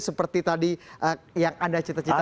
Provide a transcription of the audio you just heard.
seperti tadi yang anda cita cita